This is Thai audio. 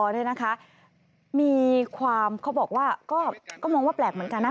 เนี่ยนะคะมีความเขาบอกว่าก็มองว่าแปลกเหมือนกันนะ